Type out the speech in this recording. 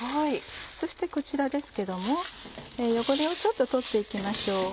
そしてこちらですけども汚れをちょっと取って行きましょう。